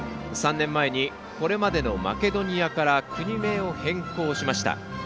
３年前に、これまでのマケドニアから国名を変更。